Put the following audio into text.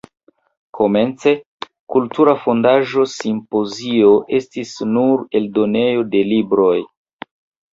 Komence, Kultura Fondaĵo Simpozio estis nur eldonejo de libroj.